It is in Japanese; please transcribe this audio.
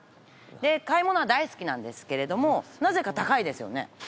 買い物は大好きなんですけれどもなぜか高いですよね。